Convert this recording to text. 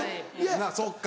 そっか。